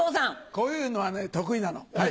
こういうのはね得意なのはい。